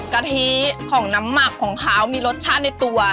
กะทิของน้ำหมักของเขามีรสชาติในตัว